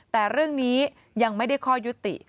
แต่เรื่องนี้ยังไม่ได้ข้อยุติ